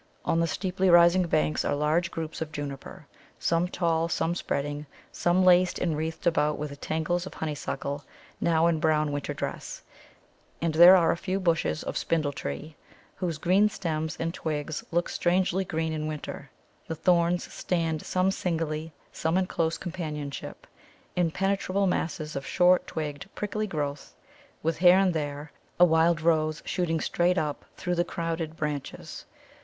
On the steeply rising banks are large groups of Juniper, some tall, some spreading, some laced and wreathed about with tangles of Honeysuckle, now in brown winter dress, and there are a few bushes of Spindle tree, whose green stems and twigs look strangely green in winter. The Thorns stand some singly, some in close companionship, impenetrable masses of short twigged prickly growth, with here and there a wild Rose shooting straight up through the crowded branches.